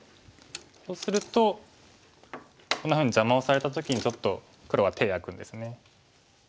そうするとこんなふうに邪魔をされた時にちょっと黒は手を焼くんですね。